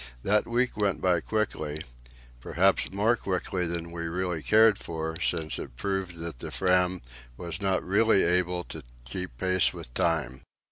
That week went by quickly; perhaps more quickly than we really cared for, since it proved that the Fram was not really able to keep pace with time.